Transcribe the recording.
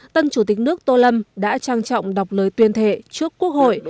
tân chủ tịch nước tô lâm đã trang trọng đọc lời tuyên thệ trước quốc hội